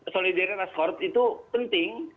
solidaritas korps itu penting